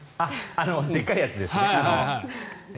でっかいやつですね。